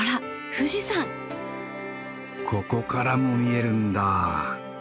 ここからも見えるんだ。